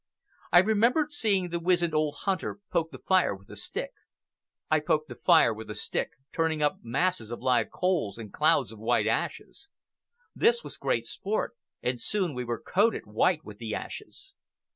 I remembered seeing the wizened old hunter poke the fire with a stick. I poked the fire with a stick, turning up masses of live coals and clouds of white ashes. This was great sport, and soon we were coated white with the ashes.